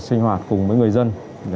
sinh hoạt cùng với người dân